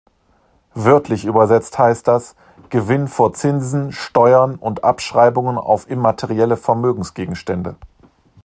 Wörtlich übersetzt heißt das: Gewinn vor Zinsen, Steuern und Abschreibungen auf immaterielle Vermögensgegenstände.